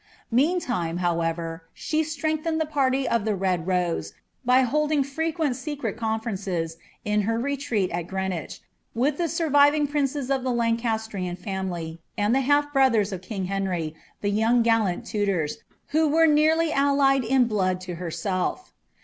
"' Meantime, however, she strengthened the party of the red Koee, by holding frequent secret conferences, in her retreat at Greenwich, with the surviving princes of the Lancastrian fiunily, and the half brothers of king Henry, the young gallant Tudors, who were nearly allied in blood to herself.'